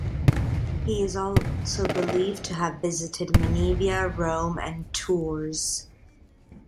He is also believed to have visited Menevia, Rome, and Tours.